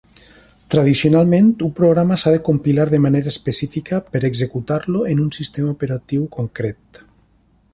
Tradicionalment, un programa s'ha de compilar de manera específica per executar-lo en un sistema operatiu concret.